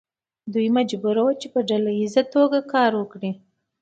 دوی مجبور وو چې په ډله ایزه توګه کار وکړي.